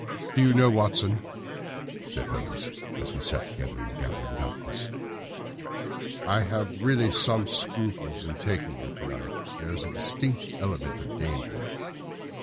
"Do you know, Watson," said Holmes as we sat together in the gathering darkness, "I have really some scruples as to taking you to night. There is a distinct element of danger."